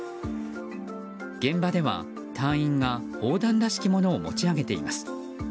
現場では隊員が砲弾らしきものを持ち上げています。